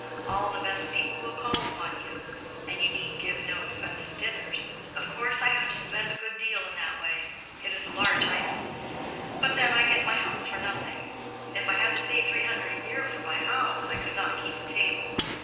All the best people will call upon you; and you need give no expensive dinners. Of course, I have to spend a good deal in that way; it is a large item. But then I get my house for nothing. If I had to pay three hundred a year for my house I could not keep a table.